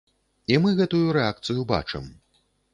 І мы гэтую рэакцыю бачым.